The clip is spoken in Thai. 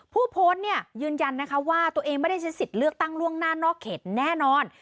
ผู้โพสต์เนี่ยยืนยันนะคะว่าตัวเองไม่ได้ใช้สิทธิ์เลือกตั้งล่วงหน้านอกเขตแน่นอน